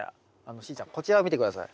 しーちゃんこちらを見て下さい。